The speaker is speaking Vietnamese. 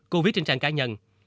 cô viết trên trang cá nhân